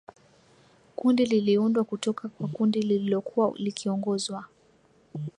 Kundi liliundwa kutoka kwa kundi lililokuwa likiongozwa